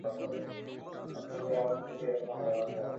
তোমার থেকে, আমার থেকে, এরকম হাজার মানুষের থেকে ভালো।